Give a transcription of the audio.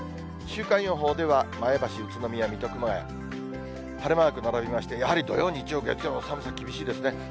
週間予報では、前橋、宇都宮、水戸、熊谷。晴れマーク並びまして、やはり土曜、日曜、月曜、寒さ厳しいですね。